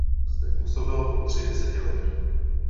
Zde působil po tři desetiletí.